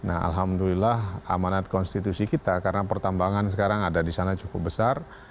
alhamdulillah amanat konstitusi kita karena pertambangan sekarang ada disana cukup besar